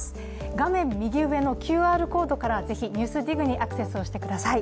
画面右上のＱＲコードからぜひ「ＮＥＷＳＤＩＧ」にアクセスしてください。